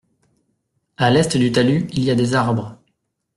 À l’est du talus il y a des arbres.